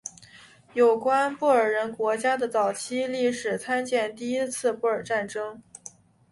有关布尔人国家的早期历史参见第一次布尔战争。